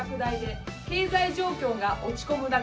経済状況が落ち込む中。